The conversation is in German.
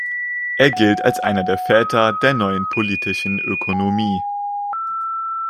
Er gilt als einer der Väter der Neuen Politischen Ökonomie.